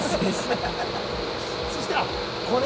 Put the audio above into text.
そしてこれ。